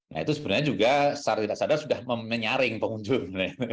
nah itu sebenarnya juga secara tidak sadar sudah menyaring pengunjung